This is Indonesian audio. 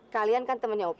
kalian kan temennya opi